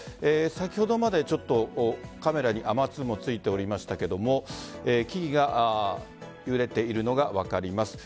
先ほどまでちょっとカメラに雨粒もついておりましたが木々が揺れているのが分かります。